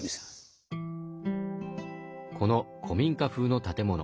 この古民家風の建物。